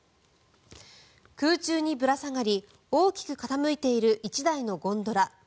空中にぶら下がり大きく傾いている１台のゴンドラ。